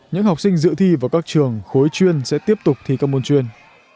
những học sinh dự thi vào các trường khối chuyên sẽ tiếp tục thi các môn chuyên